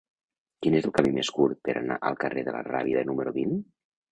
Quin és el camí més curt per anar al carrer de la Rábida número vint?